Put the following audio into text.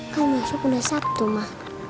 kalo masuk udah sabtu ma